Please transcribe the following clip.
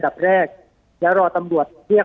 ปากกับภาคภูมิ